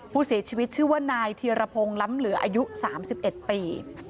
ผู้เสียชีวิตชื่อว่านายธีรพงศ์ล้ำเหลืออายุ๓๑ปี